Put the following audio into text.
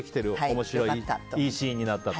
面白い、いいシーンになったと。